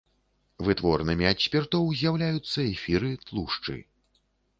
Вытворнымі ад спіртоў з'яўляюцца эфіры, тлушчы.